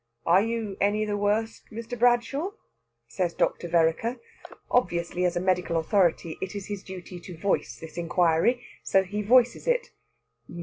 "Are you any the worse, Mr. Bradshaw?" says Dr. Vereker. Obviously, as a medical authority, it is his duty to "voice" this inquiry. So he voices it.